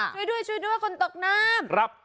ช่วยด้วยช่วยด้วยคนตกน้ำ